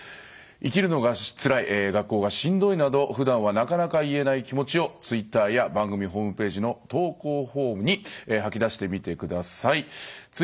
生きるのがつらい学校がしんどいなどふだんはなかなか言えない気持ちをＴｗｉｔｔｅｒや番組ホームページの投稿フォームに吐き出してみて下さい。